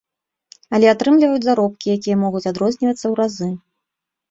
Але атрымліваюць заробкі, якія могуць адрознівацца ў разы.